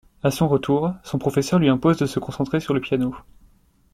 À son retour, son professeur lui impose de se concentrer sur le piano.